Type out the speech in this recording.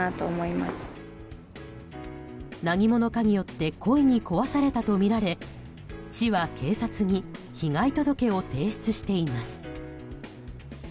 何者かによって故意に壊されたとみられ市は警察に被害届を提出しています。